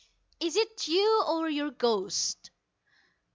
"Is it you or your ghost?"